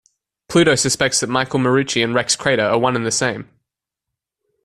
Pluto suspects that Michael Marucci and Rex Crater are one and the same.